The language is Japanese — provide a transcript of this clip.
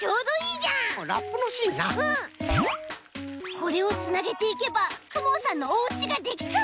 これをつなげていけばくもさんのおうちができそう！